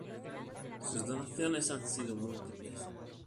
Sus donaciones han sido múltiples.